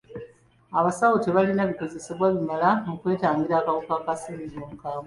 Abasaawo tebalina bikozesebwa bimala mu kwetangira kawuka ka ssenyiga omukambwe.